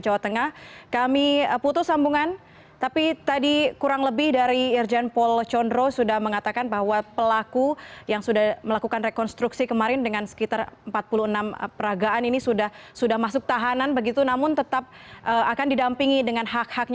selanjutnya akan dibawa kemana pak